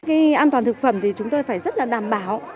cái an toàn thực phẩm thì chúng tôi phải rất là đảm bảo